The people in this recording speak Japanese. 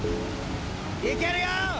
いけるよ！